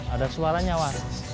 ada suara nyawa